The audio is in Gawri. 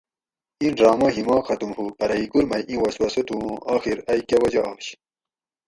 اِیں ڈرامہ ہیماک ختُم ہُو پرہ ھیکور مئ اِیں وسوسہ تھُو اُوں اۤخر ائ کہ وجہ آش